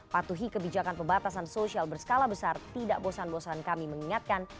patuhi kebijakan pembatasan sosial berskala besar tidak bosan bosan kami mengingatkan